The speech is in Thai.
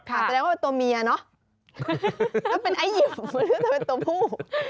แปลว่าเป็นตัวเมียเนาะเป็นไอ่ยิปต์หรือเป็นตัวผู้